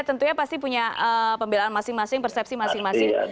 tentunya pasti punya pembelaan masing masing persepsi masing masing